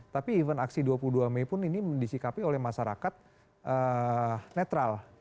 tapi event aksi dua puluh dua mei pun ini disikapi oleh masyarakat netral